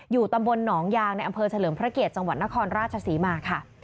ตำบลหนองยางในอำเภอเฉลิมพระเกียรติจังหวัดนครราชศรีมาค่ะ